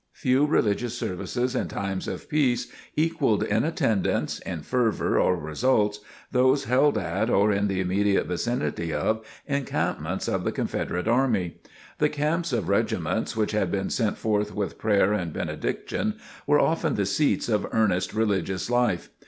Few religious services in times of peace equalled in attendance, in fervor or results, those held at, or in the immediate vicinity of, encampments of the Confederate army. The camps of regiments which had been sent forth with prayer and benediction, were often the seats of earnest religious life.